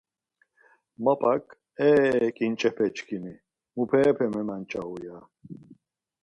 Mapak, Eee... Ǩinçepe çkimi, muperepe memanç̌aru ya.